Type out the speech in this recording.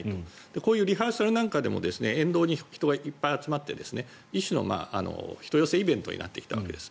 こういうリハーサルなんかでも沿道に人がいっぱい集まって一種の人寄せイベントになってきたわけです。